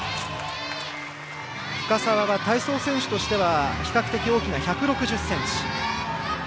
深沢は体操選手としては比較的大きな１６０ｃｍ。